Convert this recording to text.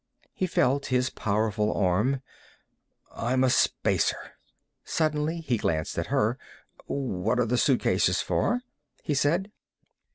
He felt his powerful arm. "I'm a Spacer." Suddenly he glanced at her. "What are the suitcases for?" he said.